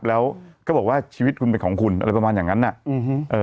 แล้วก็บอกว่าชีวิตคุณเป็นของคุณอะไรประมาณอย่างนั้นน่ะอืมเอ่อ